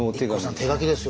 手書きですよ。